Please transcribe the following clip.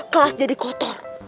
kelas jadi kotor